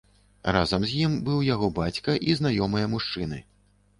Разам з ім быў яго бацька і знаёмыя мужчыны.